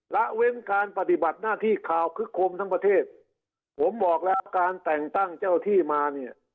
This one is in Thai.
ละเว้นการปฏิบัติหน้าที่ข่าวคึกคมทั้งประเทศผมบอกแล้วการแต่งตั้งเจ้าที่มาเนี่ย